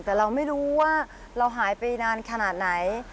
แต่เราไม่รู้ว่าเราหายไปนานขนาดไหน